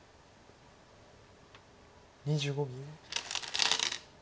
２５秒。